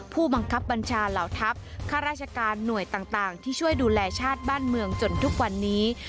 ผู้บังคับบัญชาเหล่าทัพข้าราชการหน่วยต่างที่ช่วยดูแลชาติบ้านเมืองจนทุกวันนี้